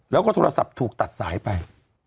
แล้วก็โทรศัพท์ถูกตัดสายไป